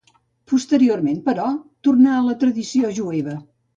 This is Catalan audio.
Posteriorment, però, tornà a la tradició jueva.